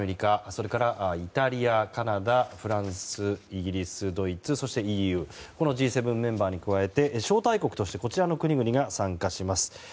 それからイタリア、カナダフランス、イギリス、ドイツそしてＥＵのＧ７メンバーに加えて招待国としてこちらの国々が参加します。